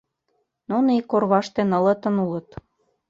Нуно ик орваште нылытын улыт.